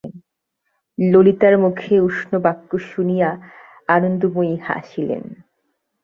ললিতার মুখে উষ্ণবাক্য শুনিয়া আনন্দময়ী হাসিলেন।